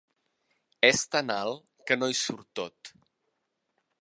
És tan alt que no hi surt tot.